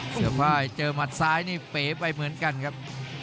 เสือไฟล์เจอหมัดซ้ายนี่เป๋ไปเหมือนกันครับ